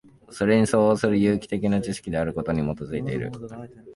それに相応する有機的な知識であることに基いている。